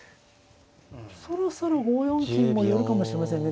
そろそろ５四金も寄るかもしれませんね。